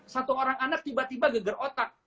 satu orang anak tiba tiba geger otak